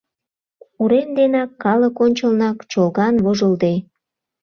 Урем денак, калык ончылнак, чолган, вожылде.